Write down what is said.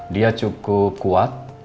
dia cukup kuat